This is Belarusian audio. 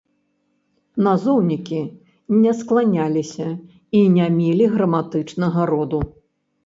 Назоўнікі не скланяліся і не мелі граматычнага роду.